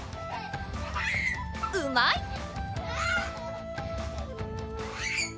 うまい！